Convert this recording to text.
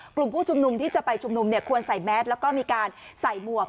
กลุ่มผู้ชุมนุมที่จะไปชุมนุมควรใส่แม้ดแล็วมีการใส่มวก